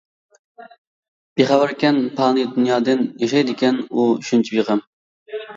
بىخەۋەركەن پانىي دۇنيادىن، ياشايدىكەن ئۇ شۇنچە بىغەم.